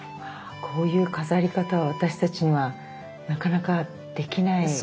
こういう飾り方は私たちにはなかなかできない。